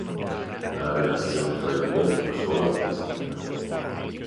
La relazione tra i due fu solo artistica.